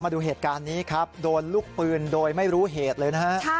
มาดูเหตุการณ์นี้ครับโดนลูกปืนโดยไม่รู้เหตุเลยนะฮะ